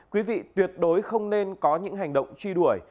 quý vị tuyệt đối không nên có những hành động truy đuổi